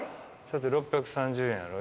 ６３０円やろ？